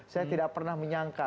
saya tidak pernah menyangka